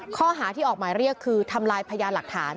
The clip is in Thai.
ข้อหาที่ออกหมายเรียกคือทำลายพยานหลักฐาน